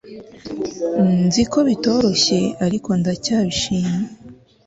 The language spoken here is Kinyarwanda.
nzi ko bitoroshye ariko ndacyabishimye